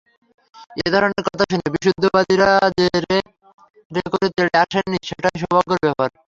এ ধরনের কথা শুনে বিশুদ্ধবাদীরা যে রে-রে করে তেড়ে আসেননি, সেটাই সৌভাগ্যের ব্যাপার।